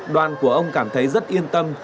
đoàn của ông cảm thấy rất yên tâm